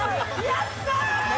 やった！